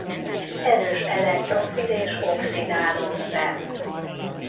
Erős elektrofil és oxidálószer.